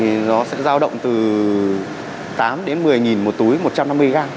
thì nó sẽ giao động từ tám đến một mươi nghìn một túi một trăm năm mươi găng